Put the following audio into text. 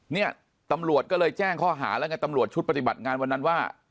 เนี่ยตำรวจก็เลยแจ้งข้อหาแล้วไงตำรวจชุดปฏิบัติงานวันนั้นว่า